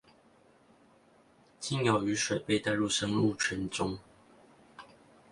經由雨水被帶入生物圈中